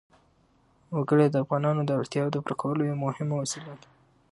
وګړي د افغانانو د اړتیاوو د پوره کولو یوه مهمه وسیله ده.